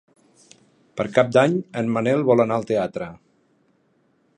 Per Cap d'Any en Manel vol anar al teatre.